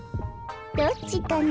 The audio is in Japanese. どっちかな？